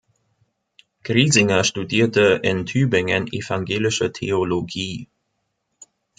Griesinger studierte in Tübingen Evangelische Theologie.